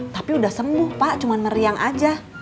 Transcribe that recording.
tapi udah sembuh pak cuma meriang aja